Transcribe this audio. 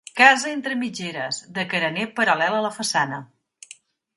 Casa entre mitgeres, de carener paral·lel a la façana.